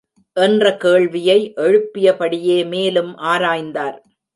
என்ற கேள்வியை எழுப்பியபடியே மேலும் ஆராய்ந்தார்.